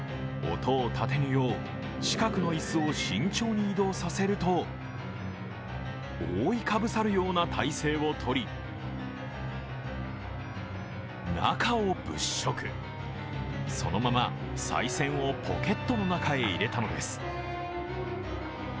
音を立てぬよう近くの椅子を慎重に移動させると、覆いかぶさるような体勢をとり、中を物色、そのまま、さい銭をポケットの中へ入れたのです。